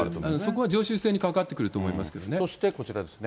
そこは常習性に関わってくるそしてこちらですね。